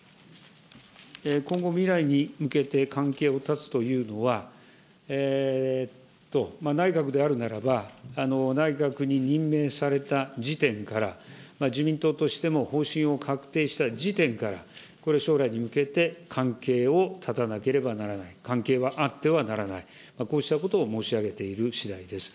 今後、未来に向けて関係を断つというのは、内閣であるならば、内閣に任命された時点から、自民党としても方針を確定した時点から、これ、将来に向けて関係を断たなければならない、関係はあってはならない、こうしたことを申し上げている次第です。